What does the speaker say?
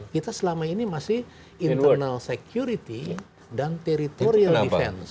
kita selama ini masih internal security dan teritorial defense